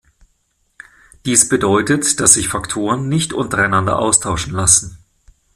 Dies bedeutet, dass sich Faktoren nicht untereinander austauschen lassen.